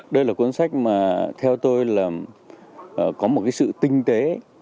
đây là cuốn sách mà theo tôi là có một cái sự tinh tế